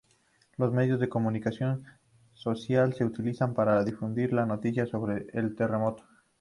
Los medios de comunicación social se utilizaron para difundir la noticia sobre el terremoto.